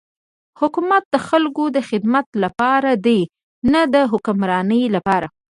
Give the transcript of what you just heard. حکومت د خلکو د خدمت لپاره دی نه د حکمرانی لپاره.